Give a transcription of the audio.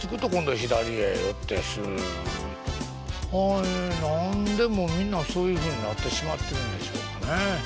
あれ何でもうみんなそういうふうになってしまってるんでしょうかね。